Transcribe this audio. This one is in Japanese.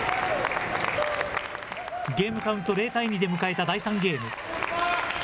ゲームカウント０対２で迎えた第３ゲーム。